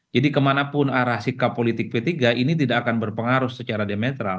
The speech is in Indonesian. jadi kemanapun arah sikap politik p tiga ini tidak akan berpengaruh secara diametral